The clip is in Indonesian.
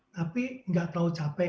tapi tidak tahu capai